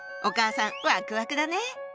お母さんわくわくだね。